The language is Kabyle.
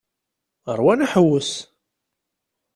Rwan aḥewwes.